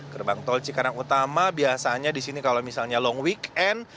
gerbang tol cikarang utama biasanya di sini kalau misalnya long weekend